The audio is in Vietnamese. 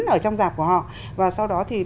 ở trong giảm của họ và sau đó thì